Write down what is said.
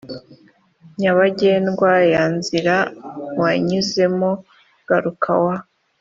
nyabagendwa ya nzira wanyuzemo garuka wa